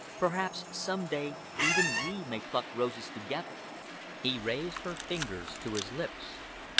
Perhaps some day even we may pluck roses together." He raised her fingers to his lips.